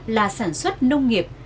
là sản xuất nông nghiệp